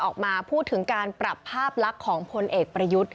ออกมาพูดถึงการปรับภาพลักษณ์ของพลเอกประยุทธ์